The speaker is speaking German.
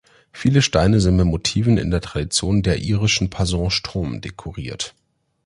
Viele Steine sind mit Motiven in der Tradition der irischen Passage tombs dekoriert.